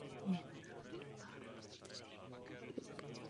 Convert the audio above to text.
Štít byl modré barvy.